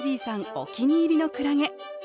お気に入りのクラゲ。